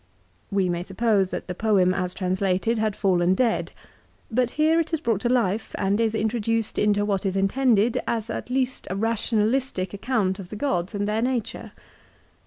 "We may suppose that the poem as translated had fallen dead ; but here it is brought to life and is introduced into what is intended as at least a rationalistic account of the gods and their nature.